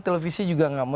kemudian menurun ke